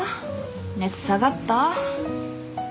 熱下がった？